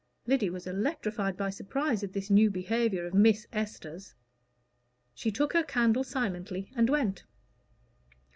Lyddy was electrified by surprise at this new behavior of Miss Esther's. She took her candle silently and went.